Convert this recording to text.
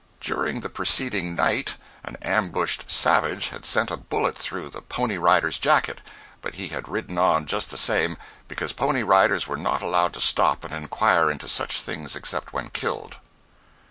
During the preceding night an ambushed savage had sent a bullet through the pony rider's jacket, but he had ridden on, just the same, because pony riders were not allowed to stop and inquire into such things except when killed.